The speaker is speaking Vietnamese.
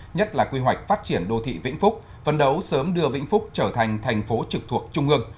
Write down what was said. nhất là quy hoạch phát triển đô thị vĩnh phúc phân đấu sớm đưa vĩnh phúc trở thành thành phố trực thuộc trung ương